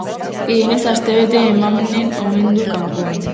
Gehienez astebete emanen omen du kanpoan.